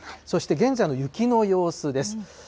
そして現在の雪の様子です。